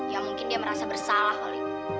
ya mungkin dia merasa bersalah wally